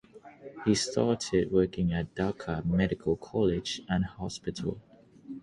He started working at Dhaka Medical College and Hospital.